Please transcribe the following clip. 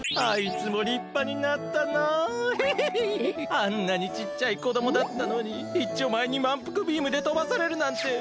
あんなにちっちゃいこどもだったのにいっちょうまえにまんぷくビームでとばされるなんて。